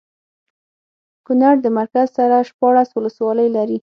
کونړ د مرکز سره شپاړس ولسوالۍ لري